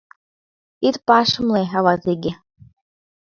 Ит пашымле, ават иге!..